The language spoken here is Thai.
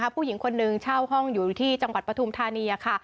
ผู้หญิงคนหนึ่งเช่าห้องอยู่ที่จังหวัดปฐุมธานีค่ะ